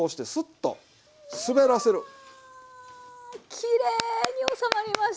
きれいに収まりました。